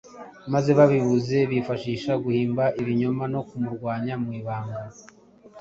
maze babibuze bifashisha guhimba ibinyoma no kumurwanya mu ibanga.